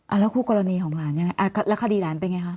แล้วคู่กรณีของหลานยังไงอ่าแล้วคดีหลานเป็นไงคะ